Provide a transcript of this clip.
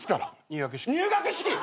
入学式！？